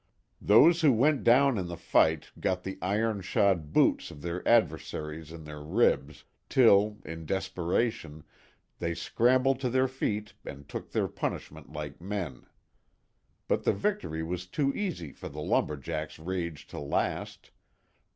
Those who went down in the fight got the iron shod boots of their adversaries in their ribs, till, in desperation, they scrambled to their feet and took their punishment like men. But the victory was too easy for the lumber jacks' rage to last.